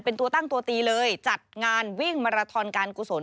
เป็นตัวตั้งตัวตีเลยจัดงานวิ่งมาราทอนการกุศล